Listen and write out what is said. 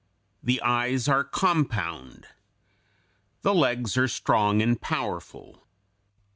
The eyes are compound. The legs are strong and powerful.